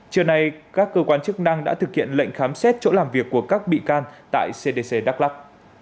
trưa nay các cơ quan chức năng đã thực hiện lệnh khám xét chỗ làm việc của các bị can tại cdc đắk lắc